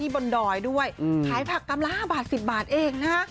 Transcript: บนดอยด้วยอืมขายผักกำล่าห้าบาทสิบบาทเองนะ